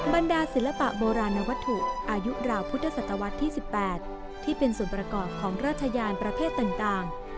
บรรดาศิลปะโบราณวัตถุอายุราวพุทธศตวรรษที่๑๘ที่เป็นส่วนประกอบของราชยานประเภทต่าง